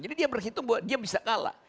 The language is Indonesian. jadi dia berhitung bahwa dia bisa kalah